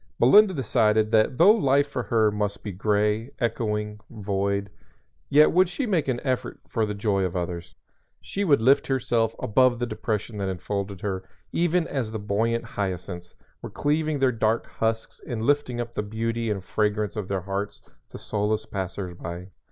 Melinda decided that though life for her must be gray, echoing, void, yet would she make an effort for the joy of others. She would lift herself above the depression that enfolded her even as the buoyant hyacinths were cleaving their dark husks and lifting up the beauty and fragrance of their hearts to solace passers by.